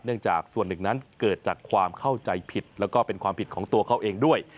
จากส่วนหนึ่งนั้นเกิดจากความเข้าใจผิดแล้วก็เป็นความผิดของตัวเขาเองด้วย